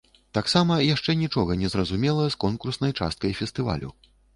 Таксама яшчэ нічога не зразумела з конкурснай часткай фестывалю.